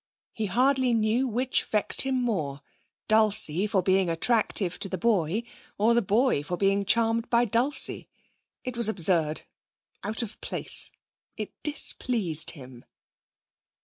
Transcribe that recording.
He hardly knew which vexed him more Dulcie for being attractive to the boy, or the boy for being charmed by Dulcie. It was absurd out of place. It displeased him.